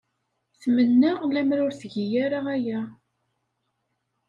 Tmenna lemmer ur tgi ara aya.